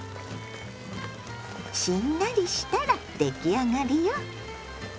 しんなりしたら出来上がりよ。